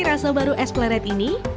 rasa baru es pleret ini